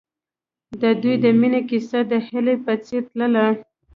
د دوی د مینې کیسه د هیلې په څېر تلله.